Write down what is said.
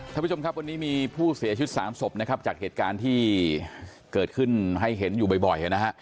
ท่านผู้ชมครับวันนี้มีผู้เสียชิ้น๓ศพจัดเหตุการณ์ที่เกิดขึ้นให้เห็นอยู่บ่อย